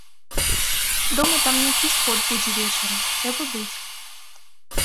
Дома там нейкі сход будзе вечарам, трэба быць.